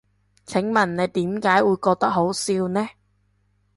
請問你點解會覺得好笑呢？